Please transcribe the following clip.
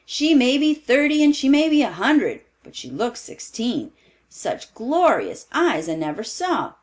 "She may be thirty, and she may be a hundred, but she looks sixteen. Such glorious eyes I never saw.